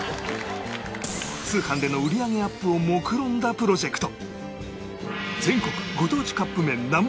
通販での売り上げアップをもくろんだプロジェクト